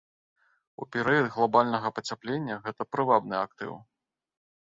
У перыяд глабальнага пацяплення гэта прывабны актыў.